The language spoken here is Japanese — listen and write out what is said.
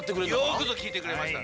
よくぞきいてくれました。